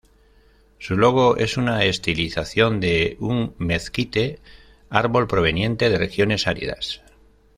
Su logo es una estilización de un Mezquite, árbol proveniente de regiones áridas.